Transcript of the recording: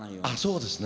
そうですね。